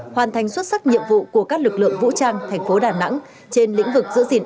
hoàn thành xuất sắc nhiệm vụ của các lực lượng vũ trang thành phố đà nẵng trên lĩnh vực giữ gìn